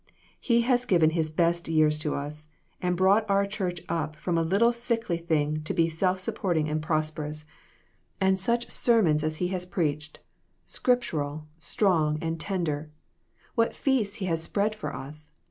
" He has given his best years to us, and brought our church up from a lit tle sickly thing to be self supporting and prosper IQ2 PERSECUTION OF THE SAINTS. ous. And such sermons as he has preached scriptural, strong and tender! What feasts he has spread for us